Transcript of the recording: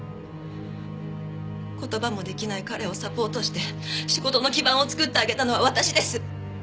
言葉も出来ない彼をサポートして仕事の基盤を作ってあげたのは私です。